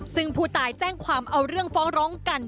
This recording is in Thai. ซึ่งผู้ตายแจ้งความเอาเรื่องฟ้องร้องกัน